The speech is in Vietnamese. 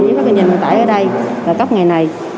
và thông tin kinh doanh vận tải ở đây cấp ngày này